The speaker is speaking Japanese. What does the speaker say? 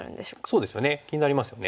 そうですよね気になりますよね。